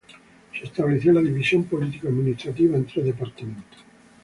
Se estableció la división político-administrativa en tres departamentos.